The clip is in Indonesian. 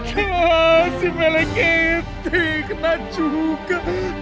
baga si melek ini kena juga